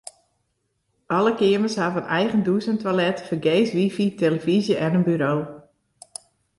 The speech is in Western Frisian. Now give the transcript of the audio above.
Alle keamers hawwe in eigen dûs en toilet, fergees wifi, tillefyzje en in buro.